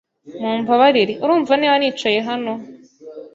Mumbabarire, urumva niba nicaye hano?